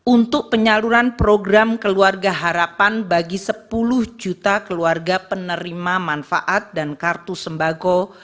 untuk penyaluran program keluarga harapan bagi sepuluh juta keluarga penerima manfaat dan kartu sembako